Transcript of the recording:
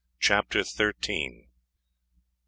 CHAPTER THIRTEENTH.